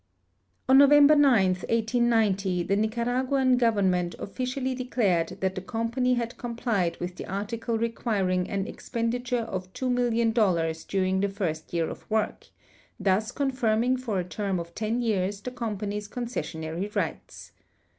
On November 9, 1890, the Nicaraguan government officially declared that the company had complied Avith the article requir ing an expenditure of $2,000,000 during the first year of Avork, thus confirming for a term of ten years the company's conces sionaiy rights.